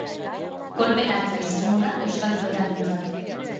Kolpe latza izango da euskal flotarentzat.